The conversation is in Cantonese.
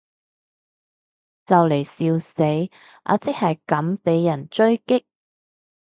就嚟笑死，阿即係咁被人狙擊